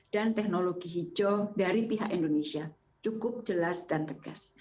dan teknologi hijau dari pihak indonesia cukup jelas dan regas